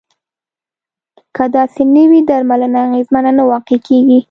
که داسې نه وي درملنه اغیزمنه نه واقع کیږي.